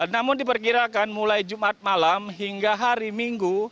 namun diperkirakan mulai jumat malam hingga hari minggu